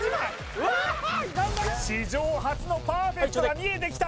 うわ頑張れ史上初のパーフェクトが見えてきた